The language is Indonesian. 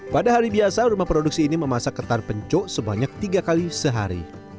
pada hari biasa rumah produksi ini memasak ketan pencok sebanyak tiga kali sehari